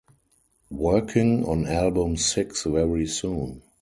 Working on album six very soon.